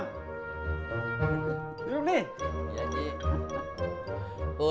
tati boleh ikut gak mbak